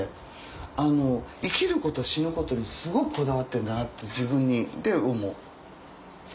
あの生きること死ぬことにすごくこだわってるんだなって自分にって思う。